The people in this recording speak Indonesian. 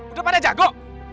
udah pada jago